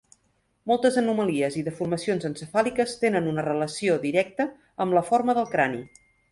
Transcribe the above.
Moltes anomalies i deformacions encefàliques tenen una relació directa amb la forma del crani.